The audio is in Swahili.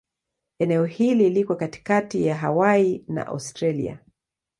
Eneo hili liko katikati ya Hawaii na Australia.